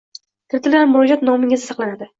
Kiritilgan murojaat nomingizda saqlanadi.